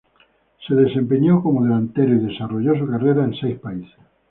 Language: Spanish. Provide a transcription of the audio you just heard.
Se desempeñó como delantero y desarrolló su carrera en seis países.